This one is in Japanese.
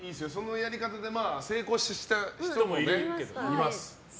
そのやり方で成功した人もいます。